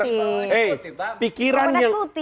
eh pikiran yang